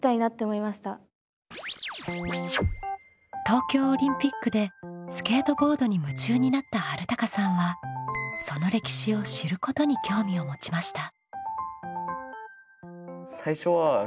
東京オリンピックでスケートボードに夢中になったはるたかさんはその歴史を「知る」ことに興味を持ちました。